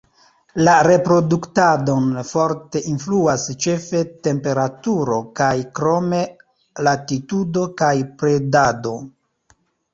La reproduktadon forte influas ĉefe temperaturo kaj krome latitudo kaj predado.